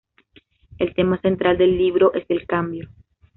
El tema central del libro es el cambio.